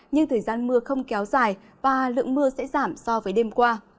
nhưng thời gian mưa không kéo dài và lượng mưa sẽ giảm so với đêm qua